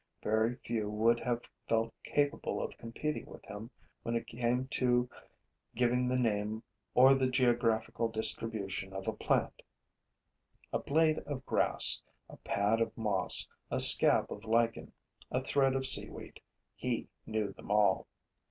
Very few would have felt capable of competing with him when it came to giving the name or the geographical distribution of a plant. A blade of grass, a pad of moss, a scab of lichen, a thread of seaweed: he knew them all.